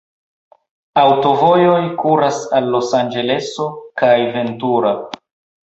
Aŭtovojoj kuras al Los-Anĝeleso kaj Ventura.